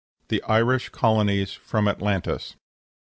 THE IRISH COLONIES FROM ATLANTIS.